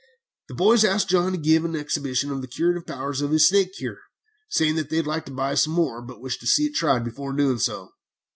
The boys asked John to give an exhibition of the curative powers of his snake cure, saying that they would like to buy some more, but wished to see it tried before doing so.